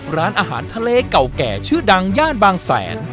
ร้านอาหารทะเลเก่าแก่ชื่อดังย่านบางแสน